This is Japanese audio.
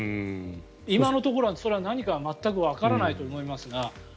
今のところそれが何かは全くわからないと思いますが。